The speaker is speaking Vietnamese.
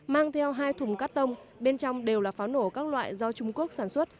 mang theo hai thùng cắt tông bên trong đều là pháo nổ các loại do trung quốc sản xuất